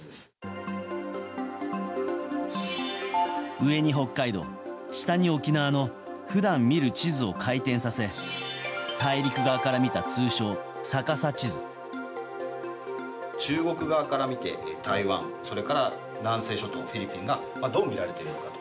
上に北海道、下に沖縄の普段見る地図を回転させ中国から見て台湾それから南西諸島、フィリピンがどう見られているのかと。